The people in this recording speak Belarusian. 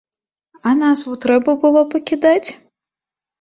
А назву трэба было пакідаць?